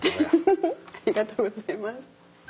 フフフありがとうございます。